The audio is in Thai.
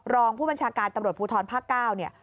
รองผู้บัญชาการตำรวจภูทรภาค๙เนี่ย